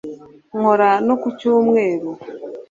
nkora no ku cyumweru